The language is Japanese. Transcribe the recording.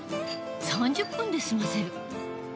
３０分で済ませる。